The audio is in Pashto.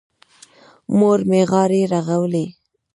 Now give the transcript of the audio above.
مور مې غاړې رغولې.